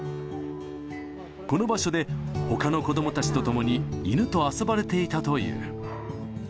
この場所で、ほかの子どもたちと共に犬と遊ばれていたという。